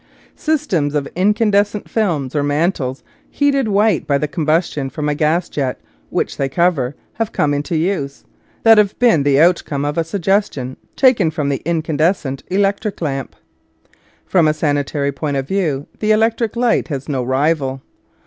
Systems of incandescent films or mantles, heated white by the combustion from a gas jet which they cover, have come into use, that have been the outcome of a suggestion taken from the incandescent electric lamp. From a sanitary point of view the electric light has no rival.